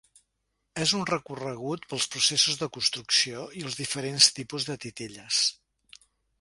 És un recorregut pels processos de construcció i els diferents tipus de titelles.